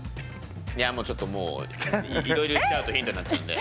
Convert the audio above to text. いやちょっともういろいろ言っちゃうとヒントになっちゃうので。